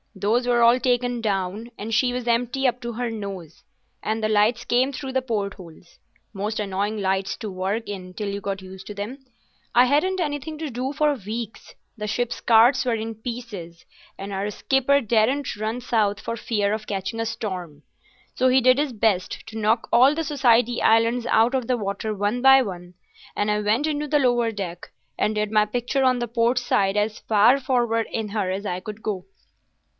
Those were all taken down, and she was empty up to her nose, and the lights came through the port holes—most annoying lights to work in till you got used to them. I hadn't anything to do for weeks. The ship's charts were in pieces and our skipper daren't run south for fear of catching a storm. So he did his best to knock all the Society Islands out of the water one by one, and I went into the lower deck, and did my picture on the port side as far forward in her as I could go.